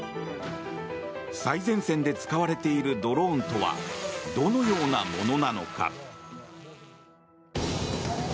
最前線で使われているドローンとはどのようなものなのか。